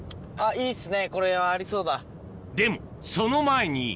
いいっすね！